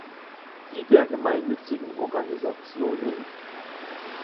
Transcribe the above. Die der gemeinnützigen Organisationen?